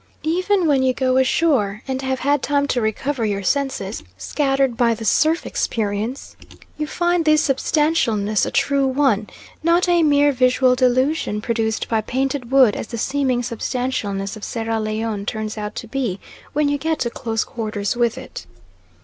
Even when you go ashore and have had time to recover your senses, scattered by the surf experience, you find this substantialness a true one, not a mere visual delusion produced by painted wood as the seeming substantialness of Sierra Leone turns out to be when you get to close quarters with it.